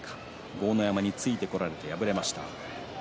豪ノ山についてこられて敗れました。